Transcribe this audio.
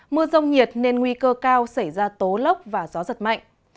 mưa rông nhiệt nên nguy cơ cao xảy ra tố lốc và gió giật mạnh